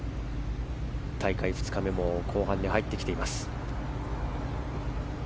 大会２日目も後半に入ってきています。